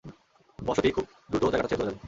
বসতি খুব দ্রুত জায়গাটা ছেড়ে চলে যাবে।